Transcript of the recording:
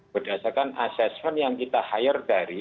berdasarkan assessment yang kita hire dari